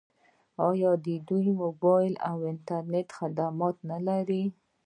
آیا دوی د موبایل او انټرنیټ خدمات نلري؟